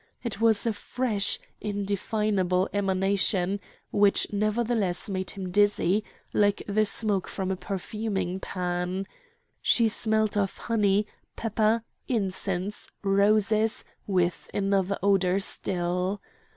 It was a fresh, indefinable emanation, which nevertheless made him dizzy, like the smoke from a perfuming pan. She smelt of honey, pepper, incense, roses, with another odour still.